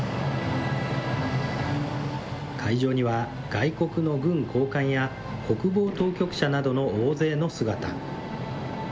会場には外国の軍高官や国防当局者などの大勢の姿。